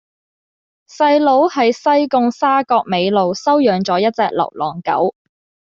細佬喺西貢沙角尾路收養左一隻流浪狗